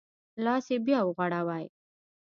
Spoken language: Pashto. لاس یې بیا وغوړوی.